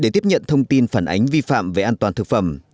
để tiếp nhận thông tin phản ánh vi phạm về an toàn thực phẩm